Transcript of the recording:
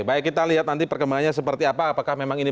baik kita lihat nanti perkembangannya seperti apa apakah memang ini